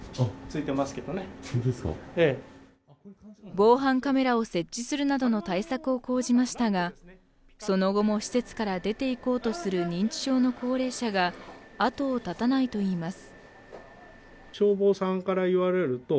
防犯カメラを設置するなどの対策を講じましたが、その後も施設から出ていこうとする認知症の高齢者が後を絶たないといいます。